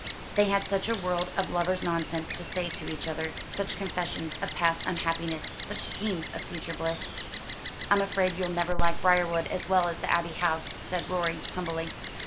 They had such a world of lovers' nonsense to say to each other, such confessions of past unhappiness, such schemes of future bliss. "I'm afraid you'll never like Briarwood as well as the Abbey House," said Rorie humbly.